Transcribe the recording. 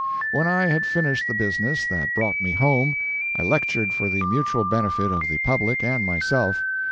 When I had finished the business that brought me home, I lectured for the mutual benefit of the public and myself.